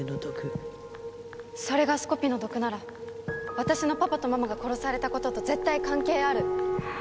それがすこピの毒なら私のパパとママが殺されたことと絶対関係ある。